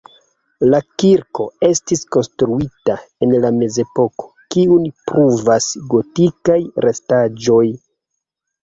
La kirko estis konstruita en la mezepoko, kiun pruvas gotikaj restaĵoj.